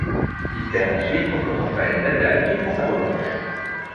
Il perd ensuite contre Rafael Nadal qui prend sa revanche.